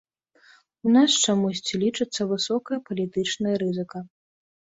У нас, чамусьці, лічыцца, высокая палітычная рызыка.